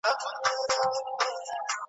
مغلق او پرله پېچلي .